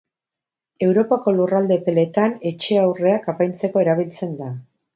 Europako lurralde epeletan, etxe-aurreak apaintzeko erabiltzen da.